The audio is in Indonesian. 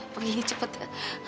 pergi cepat ya